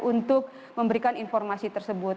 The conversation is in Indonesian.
untuk memberikan informasi tersebut